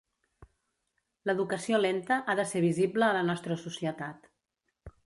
L'educació lenta ha de ser visible a la nostra societat.